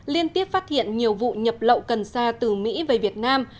liên tiếp phát hiện nhiều vụ nhập lậu cần xa từ mỹ về việt nam